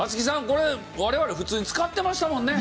これ我々普通に使ってましたもんね？